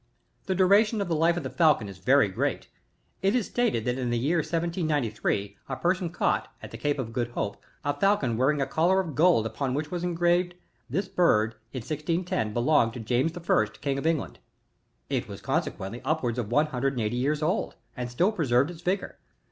The dijration of the life of the Falcon is very great ; it is stated that in the year 1793, a person caught, at the Cape of Good Hope, a falcon wearing a collar of gold, upon which was engraved, this bird, in 1610, belonged to James I, King of England. It was consequently, upwards of one hun dred and eighty years old, and still preserved its vigour.